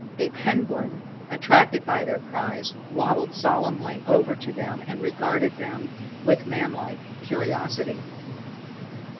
A penguin, attracted by their cries, waddled solemnly over to them and regarded them with manlike curiosity.